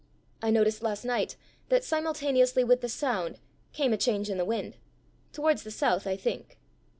I noticed last night that simultaneously with the sound came a change in the wind towards the south, I think.